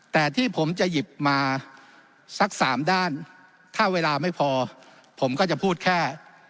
แต่ที่ผมจะหยิบมาสักสามด้านถ้าเวลาไม่พอผมก็จะพูดแค่